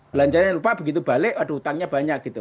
belanjanya lupa begitu balik aduh utangnya banyak gitu